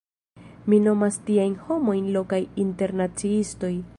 Mi nomas tiajn homojn “lokaj internaciistoj”.